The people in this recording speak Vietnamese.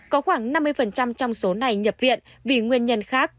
có khoảng năm mươi trong số này nhập viện vì nguyên nhân khác